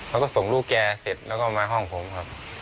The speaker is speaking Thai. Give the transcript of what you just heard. แล้วก็ส่งลูกแกเสร็จแล้วก็มาห้องผมครับ